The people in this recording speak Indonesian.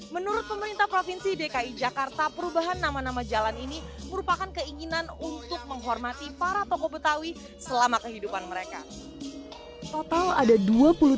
menurut pemerintah provinsi dki jakarta perubahan nama nama jalan ini merupakan keinginan untuk menghormati para tokoh betawi selama kehidupan mereka